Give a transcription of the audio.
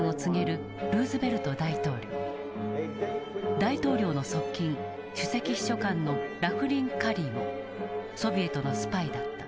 大統領の側近首席秘書官のラフリン・カリーもソビエトのスパイだった。